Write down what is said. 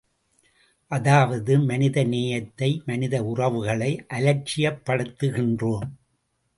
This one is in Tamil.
அதாவது, மனித நேயத்தை, மனித உறவுகளை அலட்சியப்படுத்துகின்றோம்.